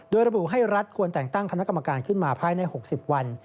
โดยระบุให้รัฐควรแต่งตั้งคณะกรรมการขึ้นมาภายใน๖๐วัน